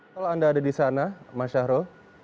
kalau anda ada di sana mas syahrul